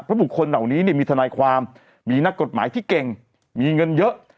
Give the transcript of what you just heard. เพราะบุคคลเหล่านี้มีทนายความมีนักกฎหมายที่เก่งมีเงินเยอะ